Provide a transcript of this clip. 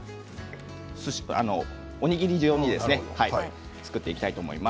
おにぎり状に作っていきたいと思います。